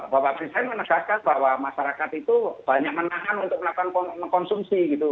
bapak presiden menegaskan bahwa masyarakat itu banyak menahan untuk melakukan mengkonsumsi gitu